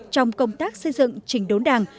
trong công tác xây dựng trình đốn đảng